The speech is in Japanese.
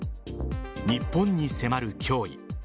日本に迫る脅威。